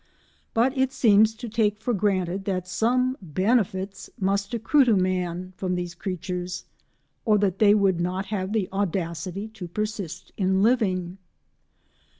But it seems to take for granted that some benefits must accrue to man from these creatures, or they would not have the audacity to persist in living.